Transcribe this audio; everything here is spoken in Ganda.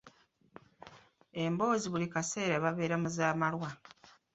Emboozi buli kaseera babeera mu za malwa.